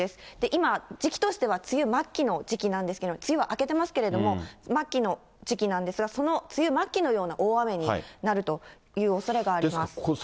今、時期としては梅雨末期の時期なんですけれども、梅雨は明けてますけれども、末期の時期なんですが、その梅雨末期のような大雨になるというおそれがあります。